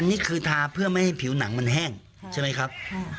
นี่คือทาเพื่อไม่ให้ผิวหนังมันแห้งใช่ไหมครับ